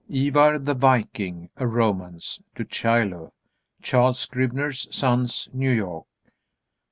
_ "Ivar the Viking, a romance;" Du Chaillu. _Charles Scribner's Sons, New York.